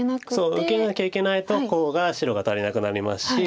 受けなきゃいけないとコウが白が足りなくなりますし。